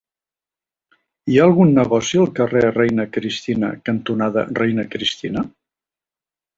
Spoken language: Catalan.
Hi ha algun negoci al carrer Reina Cristina cantonada Reina Cristina?